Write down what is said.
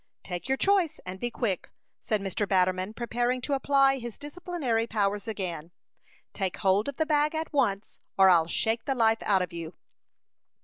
"Take your choice, and be quick," said Mr. Batterman, preparing to apply his disciplinary powers again. "Take hold of the bag at once, or I'll shake the life out of you."